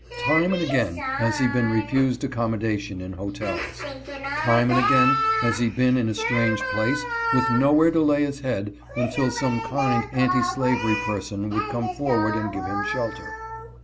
Time and again has he been refused accom modation in hotels. Time and again has he been in a strange place with nowhere to lay his head until some kind anti slavery person would come forward and give him shelter.